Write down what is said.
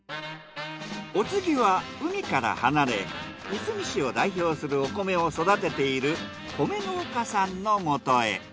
お次は海から離れいすみ市を代表するお米を育てている米農家さんの元へ。